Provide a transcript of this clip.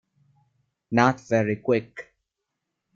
Not very Quick.